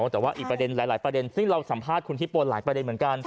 แต่ว่าอีกประเด็นหลายประเด็นซึ่งเราสัมภาษณ์คุณฮิปนหลายประเด็นเหมือนกัน